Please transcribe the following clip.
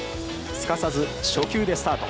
すかさず初球でスタート。